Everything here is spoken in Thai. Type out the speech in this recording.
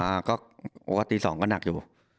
ในวันที่๒นิ่งก็หนักดู